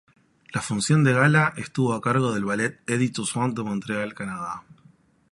La función de gala estuvo a cargo del Ballet Eddy Toussaint de Montreal, Canadá.